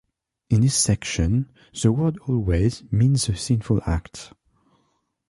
In this section, the word always means the sinful act.